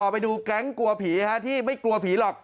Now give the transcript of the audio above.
ไปดูแก๊งกลัวผีที่ไม่กลัวผีหรอก